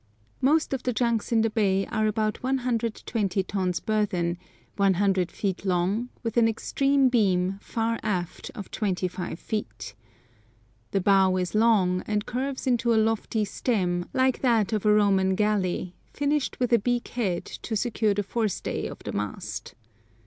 Most of the junks in the bay are about 120 tons burthen, 100 feet long, with an extreme beam, far aft, of twenty five feet. The bow is long, and curves into a lofty stem, like that of a Roman galley, finished with a beak head, to secure the forestay of the mast.